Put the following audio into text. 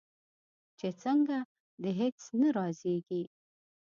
چې څنګه؟ د هیڅ نه رازیږې